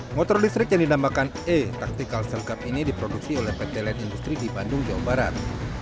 motor listrik yang dinamakan e tactical sel cup ini diproduksi oleh pt line industri di bandung jawa barat